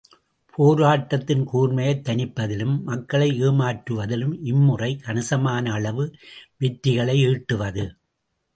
போராட்டத்தின் கூர்மையைத் தனிப்பதிலும், மக்களை ஏமாற்றுவதிலும் இம்முறை கணிசமானளவு வெற்றிகளை ஈட்டுவது.